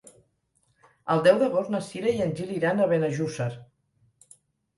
El deu d'agost na Cira i en Gil iran a Benejússer.